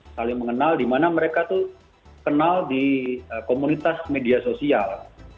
saling mengenal di mana mereka tuh kenal di komunitas media sosial